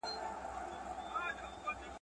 مځکه وايي په تا کي چي گناه نه وي مه بېرېږه.